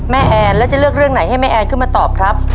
แอนแล้วจะเลือกเรื่องไหนให้แม่แอนขึ้นมาตอบครับ